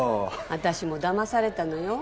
私もだまされたのよ。